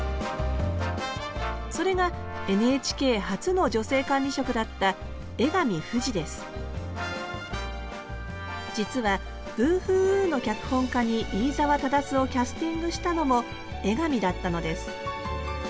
それがＮＨＫ初の女性管理職だった実は「ブーフーウー」の脚本家に飯沢匡をキャスティングしたのも江上だったのです。